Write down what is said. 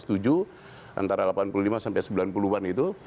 jadi dari satu ratus tujuh antara delapan puluh lima sampai sembilan puluh an itu